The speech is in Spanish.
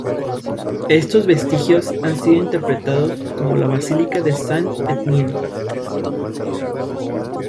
Estos vestigios han sido interpretados como la basílica de Saint-Etienne.